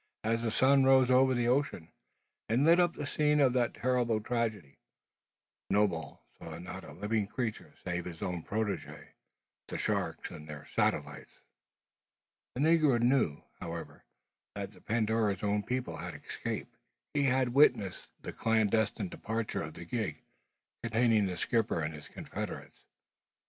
As the sun rose over the ocean, and lit up the scene of that terrible tragedy, Snowball saw not a living creature save his own protege, the sharks, and their satellites. The negro knew, however, that the Pandora's own people had escaped. He had witnessed the clandestine departure of the gig, containing the skipper and his confederates.